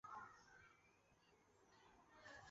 梅林天后宫的历史年代为清。